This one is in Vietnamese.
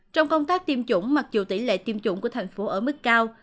trong công tác tiêm chủng mặc dù tỷ lệ tiêm chủng của thành phố ở mức cao